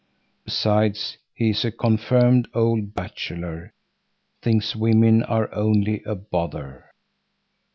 Besides, he is a confirmed old bachelor—thinks women are only a bother.